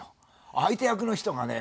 相手役の人がね